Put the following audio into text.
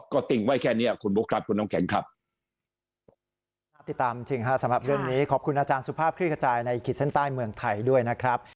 ก็ติ้งไว้แค่นี้คุณบุ๊คครับคุณน้องแข็งครับ